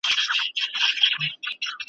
جاله وان ورباندي ږغ کړل ملاجانه .